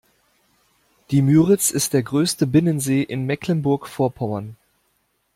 Die Müritz ist der größte Binnensee in Mecklenburg Vorpommern.